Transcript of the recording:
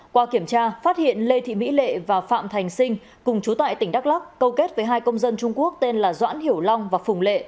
qua kiểm tra phát hiện lê thị mỹ lệ và phạm thành sinh cùng chú tại tỉnh đắk lắc câu kết với hai công dân trung quốc tên là doãn hiểu long và phùng lệ